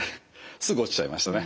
すぐ落ちちゃいましたね。